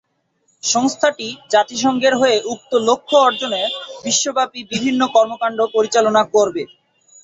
সংস্থাটি জাতিসংঘের হয়ে উক্ত লক্ষ্য অর্জনে বিশ্বব্যাপী বিভিন্ন কর্মকাণ্ড পরিচালনা করবে।